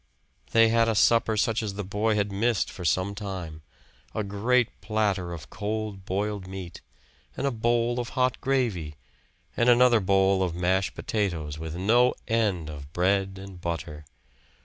They had a supper such as the boy had missed for some time; a great platter of cold boiled meat, and a bowl of hot gravy, and another bowl of mashed potatoes, with no end of bread and butter.